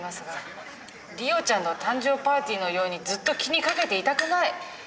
がりおちゃんの誕生パーティーのようにずっと気にかけていたくない！